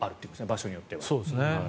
場所によっては。